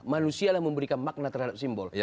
manusia yang memberikan makna terhadap simbol